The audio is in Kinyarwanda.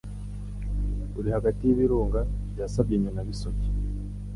uri hagati y'Ibirunga bya Sabyinyo na Bisoke